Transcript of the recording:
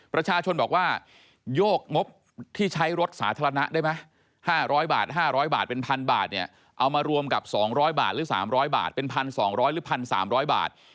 ประชาชนบอกว่ายกงบที่ใช้รถสาธารณะได้ไหมห้าร้อยบาทห้าร้อยบาทเป็นพันบาทเนี่ยเอามารวมกับสองร้อยบาทหรือสามร้อยบาทเป็นพันสองร้อยหรือพันสามร้อยบาท